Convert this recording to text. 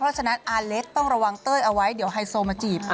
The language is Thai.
อาเล็กซ์ต้องระวังเต้ยเอาไว้เดี๋ยวไฮโซมาจีบ